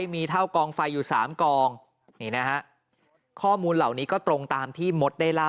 ไม่มีเท่ากลองไฟอยู่สามกลองนี่นะฮะ